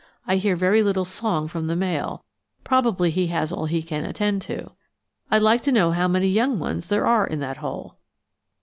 I hear very little song from the male; probably he has all he can attend to. I'd like to know how many young ones there are in that hole."